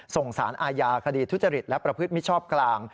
สารอาญาคดีทุจริตและประพฤติมิชชอบกลาง